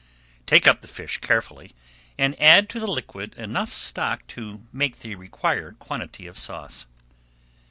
Take up the fish carefully, and add to the liquid enough stock to make the required quantity of sauce.